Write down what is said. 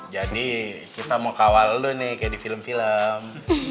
jadi kita mau kawal lo nih kayak di film film